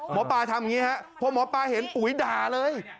หมอปลาทำอย่างนี้ครับพอหมอปลาเห็นปุ๋ยด่าเลย